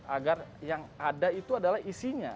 agar yang ada itu adalah isinya